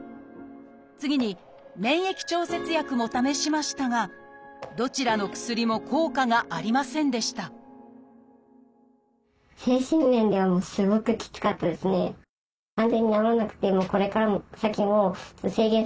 次に免疫調節薬も試しましたがどちらの薬も効果がありませんでした一度は諦めかけた川上さん。